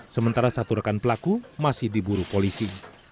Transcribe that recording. sementara satu rekan pelaku masih diburu polisi